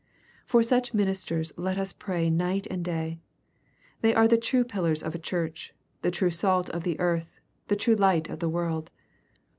For such ministers let us pray night and day. Tney are the true pillars of a Church, — the true salt of the earth, — the true light of the world.